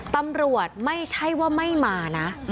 ตำรวจไม่ใช่ว่าไม่มานะ